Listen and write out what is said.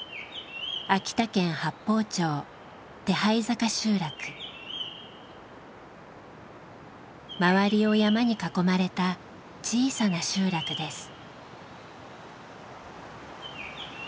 秋田県八峰町周りを山に囲まれた小さな集落です。